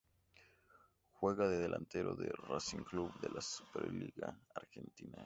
Juega de delantero en Racing Club de la Superliga Argentina.